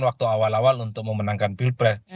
waktu awal awal untuk memenangkan pilpres